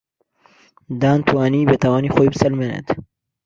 دان توانی بێتاوانی خۆی بسەلمێنێت.